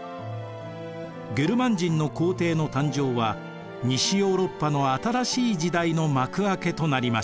ゲルマン人の皇帝の誕生は西ヨーロッパの新しい時代の幕開けとなりました。